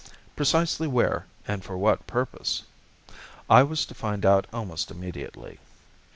Precisely where and for what purpose? I was to find out almost immediately.